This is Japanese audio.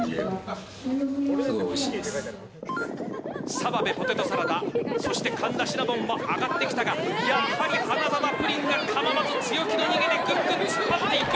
澤部ポテトサラダ、そして神田シナボンも上がってきたがやはり花澤プリンが構わず強気の逃げを見せていく。